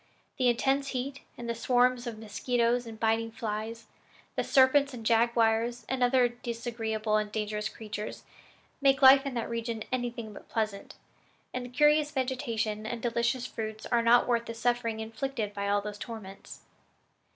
The intense heat and the swarms of mosquitoes and biting flies, the serpents and jaguars and other disagreeable and dangerous creatures, make life in that region anything but pleasant, and the curious vegetation and delicious fruits are not worth the suffering inflicted by all these torments."